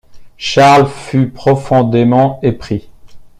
Charles fut profondément épris.